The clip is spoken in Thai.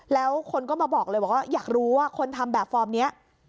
แล้วคนก็มาบอกเลยบอกว่าอยากรู้ว่าคนทำแบบฟอร์มนี้